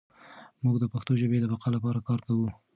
موږ د پښتو ژبې د بقا لپاره کار کوو.